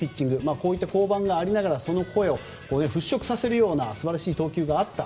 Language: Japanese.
こういった降板がありながらその声を払しょくさせるような素晴らしい投球があった。